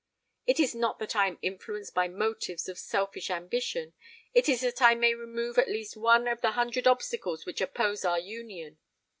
It is not that I am influenced by motives of selfish ambition;—it is that I may remove at least one of the hundred obstacles which oppose our union.